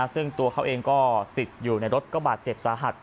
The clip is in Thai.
ซึ่งตัวเขาเองก็ติดอยู่ในรถก็บาดเจ็บสาหัส